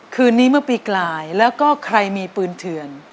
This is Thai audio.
คืนนี้เมื่อปีกลายแล้วก็ใครมีปืนเถื่อน